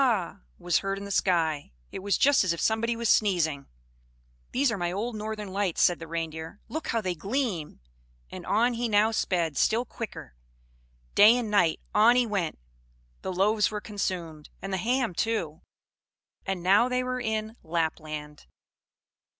Ddsa!" was heard in the sky. It was just as if somebody was sneezing. "These are my old northern lights," said the Reindeer, "look how they gleam!" And on he now sped still quicker day and night on he went: the loaves were consumed, and the ham too; and now they were in Lapland.